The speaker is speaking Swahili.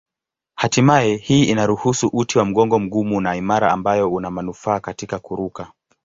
Hatimaye hii inaruhusu uti wa mgongo mgumu na imara ambayo una manufaa katika kuruka.